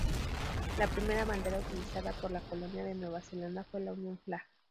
La primera bandera utilizada por la colonia de Nueva Zelanda fue la Union Flag.